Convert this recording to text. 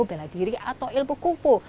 bela diri atau ilmu kupu